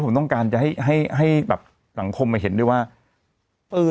ผมต้องการจะให้ให้แบบสังคมมาเห็นด้วยว่าปืน